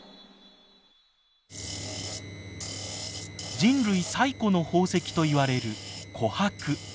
人類最古の宝石といわれる琥珀。